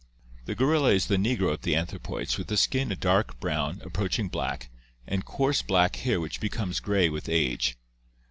The gorilla is the negro of the anthropoids, with the skin a dark brown, approaching black, and coarse black hair which becomes gray with age.